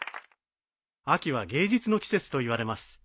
秋は芸術の季節といわれます。